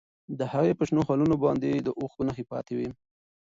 د هغې په شنو خالونو باندې د اوښکو نښې پاتې وې.